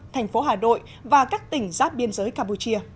thành phố hà nội và các tỉnh giáp biên giới campuchia